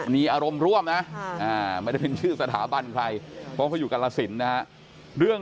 นี่อารมณ์ร่วมไม่ได้มีชื่อสถาบันใคร